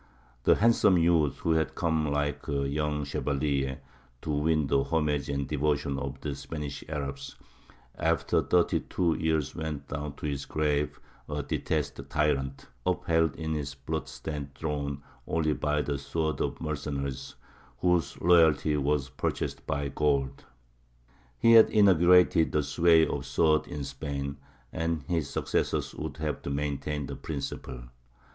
The handsome youth who had come like "the young chevalier" to win the homage and devotion of the Spanish Arabs, after thirty two years went down to his grave a detested tyrant, upheld in his blood stained throne only by the swords of mercenaries whose loyalty was purchased by gold. He had inaugurated the sway of the sword in Spain, and his successors would have to maintain the principle.